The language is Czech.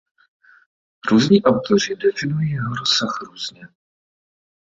Různí autoři definují jeho rozsah různě.